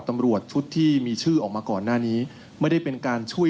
ตำรวจชุดที่มีชื่อออกมาก่อนหน้านี้ไม่ได้เป็นการช่วย